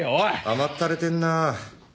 甘ったれてんな。